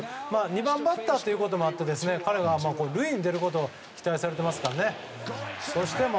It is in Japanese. ２番バッターということもあって彼は塁に出ることを期待されていますからね。